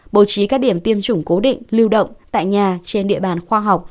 bố trí các điểm tiêm chủng cố định lưu động tại nhà trên địa bàn khoa học